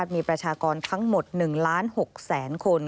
มีประชากรทั้งหมด๑ล้าน๖แสนคน